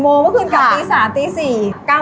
เมื่อคืนกลับที่หลายหรือที่สาม